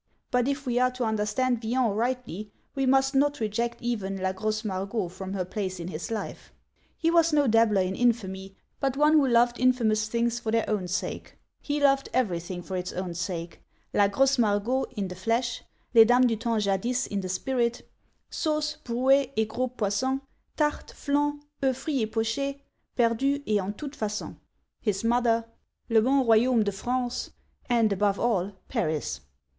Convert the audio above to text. But if we are to understand Villon rightly, we must not reject even la grosse Margot from her place in his life. He was no dabbler in infamy, but one who loved infamous things for their own sake. He loved everything for its own sake: la grosse Margot in the flesh, les dames du temps jadis in the spirit, Sausses, brouets et gros poissons, Tartes, flaons, oefs frits et pochez, Perdus, et en toutes façons, his mother, le bon royaume de France, and above all, Paris.